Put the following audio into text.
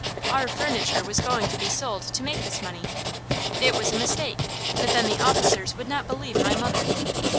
Our furniture was going to be sold to make this money. It was a mistake, but then the officers would not believe my mother.